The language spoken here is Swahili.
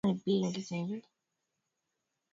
rwanda na kenya wana daraja za aina hiyo